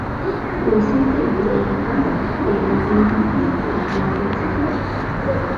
Do simple ignoru tion, kaj ne diru tion al mia edzino.